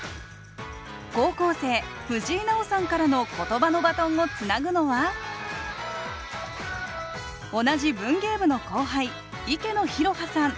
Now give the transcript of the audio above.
高校生藤井渚央さんからの言葉のバトンをつなぐのは同じ文芸部の後輩池野弘葉さん